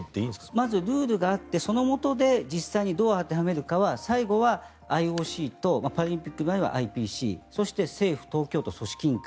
まずルールがあってそのもとで実際にどう当てはめるかは最後はＩＯＣとパラリンピックの場合はＩＰＣそして政府と組織委員会